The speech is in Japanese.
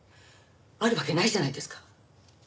あるわけないじゃないですか。